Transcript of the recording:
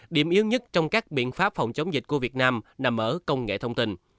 điểm yếu nhất trong các biện pháp phòng chống dịch của việt nam nằm ở công nghệ thông tin